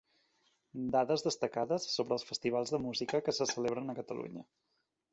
Dades destacades sobre els festivals de música que se celebren a Catalunya.